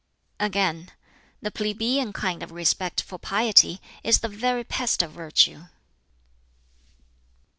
Again, "The plebeian kind of respect for piety is the very pest of virtue."